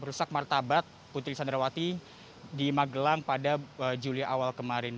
merusak martabat putri candrawati di magelang pada juli awal kemarin